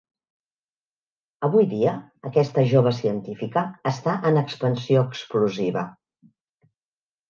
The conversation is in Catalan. Avui dia aquesta jove científica està en expansió explosiva.